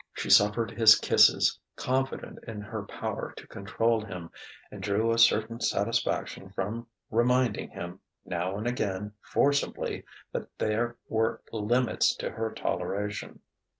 She suffered his kisses, confident in her power to control him, and drew a certain satisfaction from reminding him, now and again forcibly, that there were limits to her toleration.